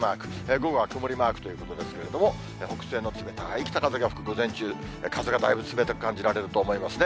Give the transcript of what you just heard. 午後は曇りマークということですけれども、北西の冷たい北風が吹く午前中、風がだいぶ冷たく感じられると思いますね。